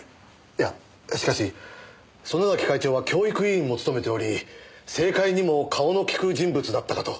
いやしかし曾根崎会長は教育委員も務めており政界にも顔のきく人物だったかと。